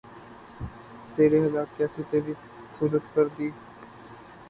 تیرے حالات نے کیسی تری صورت کر دی